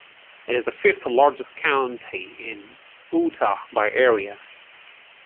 It is the fifth-largest county in Utah by area.